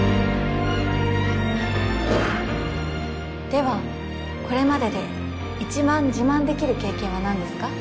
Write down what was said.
ではこれまでで一番自慢できる経験は何ですか？